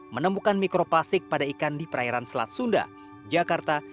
menemukan mikroplastik pada ikan di perairan selat sunda jakarta